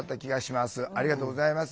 ありがとうございます。